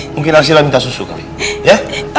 mungkin arsila minta susu kali ya